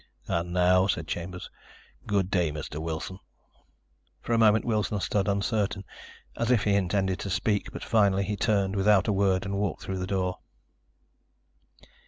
"And now," said Chambers, "good day, Mr. Wilson." For a moment Wilson stood uncertain, as if he intended to speak, but finally he turned, without a word, and walked through the door.